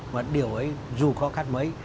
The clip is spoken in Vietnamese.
và điều ấy dù khó khăn mấy